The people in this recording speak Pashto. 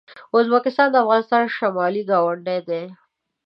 ازبکستان د افغانستان شمالي ګاونډی دی.